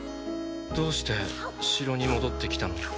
どうして城に戻ってきたの？